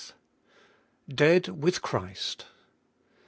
T DEAD WITH CHRIST.